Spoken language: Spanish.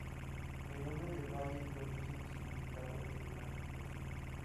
El nombre del valle es de origen y significado enigmáticos.